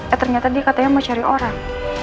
eh ternyata dia katanya mau cari orang